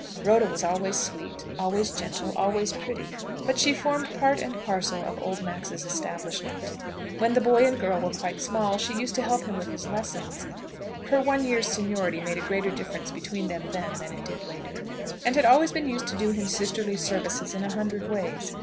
Rhoda was always sweet, always gentle, always pretty, but she formed part and parcel of old Max's establishment. When the boy and girl were quite small, she used to help him with his lessons (her one year's seniority made a greater difference between them then, than it did later) and had always been used to do him sisterly service in a hundred ways.